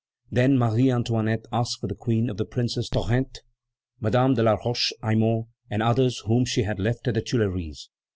Then Marie Antoinette asked for news of the Princess de Tarente, Madame de la Roche Aymon, and others whom she had left at the Tuileries.